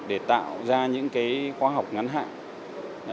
để tạo ra những cái khoa học ngắn hạn